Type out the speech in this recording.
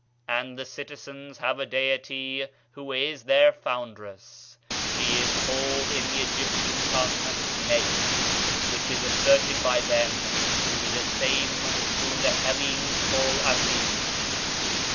And the citizens have a deity who is their foundress: she is called in the Egyptian tongue Neith, which is asserted by them to be the same whom the Hellenes called Athene.